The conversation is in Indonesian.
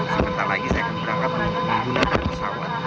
sebentar lagi saya akan berangkat untuk menggunakan pesawat